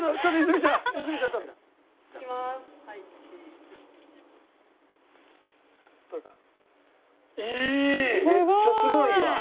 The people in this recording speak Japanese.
めっちゃすごいやん！